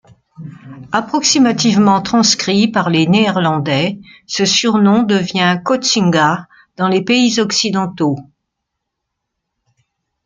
Approximativement transcrit par les Néerlandais, ce surnom devient Koxinga dans les pays occidentaux.